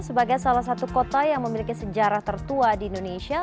sebagai salah satu kota yang memiliki sejarah tertua di indonesia